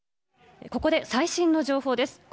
ここで最新の情報です。